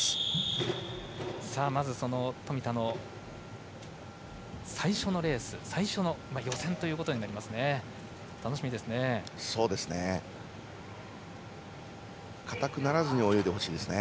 まず、富田の最初のレース最初の予選ということになりますね、楽しみですね。